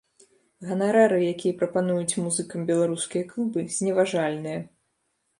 Ганарары, якія прапануюць музыкам беларускія клубы, зневажальныя.